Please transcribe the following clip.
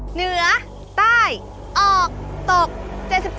เหนือใต้ออกตก๗๘